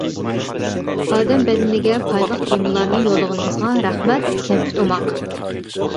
ئادەم بەدىنىگە پايدىلىق تېمىلارنى يولىغىنىڭىزغا رەھمەت كەمپۈت ئوماق.